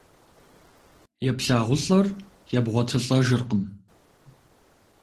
ЕплъагъулӀэр ебгъуэтылӀэжыркъым.